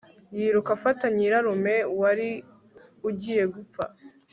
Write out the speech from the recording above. yiruka afata nyirarume wari ugiye gupfa